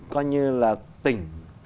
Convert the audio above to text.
coi như là tỉnh